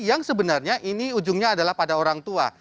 yang sebenarnya ini ujungnya adalah pada orang tua